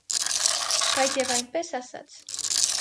Բայց և այնպես ասաց.